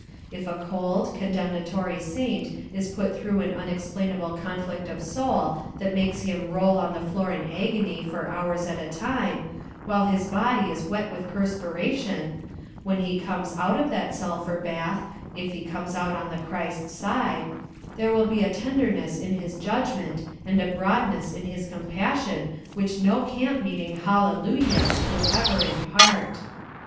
If a cold, condemnatory saint is put through an unexplainable conflict of soul that makes him roll on the floor in agony for hours at a time, while his body is wet with perspiration, when he comes out of that sulphur bath, if he comes out on the Christ side, there will be a tenderness in his judgment and a broadness in his compassion which no camp meeting hallelujahs could ever impart.